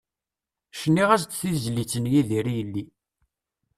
Cniɣ-as-d tizlit n Yidir i yelli.